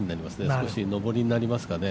少し上りになりますかね。